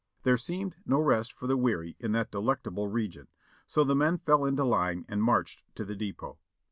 There seemed no rest for the weary in that delectable region, so the men fell into line and marched to the depot.